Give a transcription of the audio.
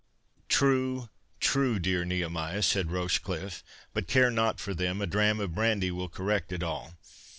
"True, true, dear Nehemiah," said Rochecliffe, "but care not for them—a dram of brandy will correct it all.